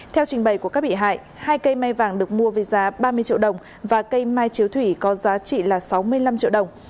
theo trình bày của các bị hại hai cây mai vàng được mua với giá ba mươi triệu đồng và cây mai chiếu thủy có giá trị là sáu mươi năm triệu đồng